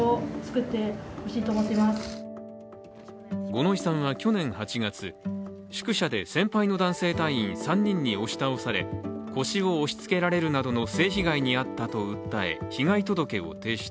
五ノ井さんは去年８月、宿舎で先輩の男性隊員３人に押し倒され腰を押しつけられるなどの性被害に遭ったと訴え、被害届を提出。